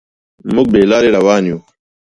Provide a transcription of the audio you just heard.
موږ بې لارې روان یو.